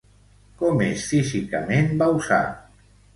Com és físicament Bauzà?